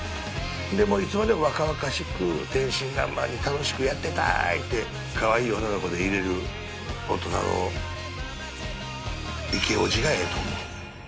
でいつまでも若々しく天真爛漫に楽しくやってたい！って可愛い女の子でいられる大人のイケおじがええと思う。